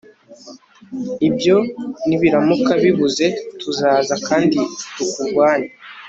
ibyo nibiramuka bibuze, tuzaza kandi tukurwanye